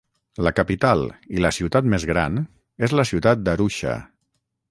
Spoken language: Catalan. La capital, i la ciutat més gran, és la ciutat d'Arusha.